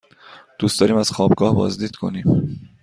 دوست داریم از خوابگاه بازدید کنیم.